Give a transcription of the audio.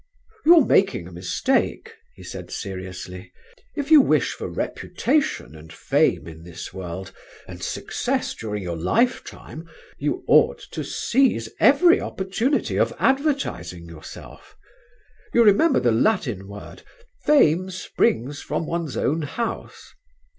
"You're making a mistake," he said seriously. "If you wish for reputation and fame in this world, and success during your lifetime, you ought to seize every opportunity of advertising yourself. You remember the Latin word, 'Fame springs from one's own house.'